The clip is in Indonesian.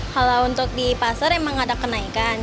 kalau untuk di pasar emang ada kenaikan